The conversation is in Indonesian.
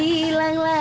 perasaan yang berbeda